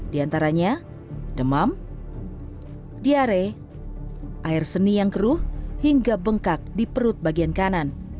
di antaranya demam diare air seni yang keruh hingga bengkak di perut bagian kanan